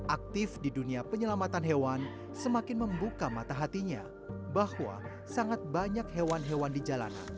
aktif di dunia penyelamatan hewan semakin membuka mata hatinya bahwa sangat banyak hewan hewan di jalanan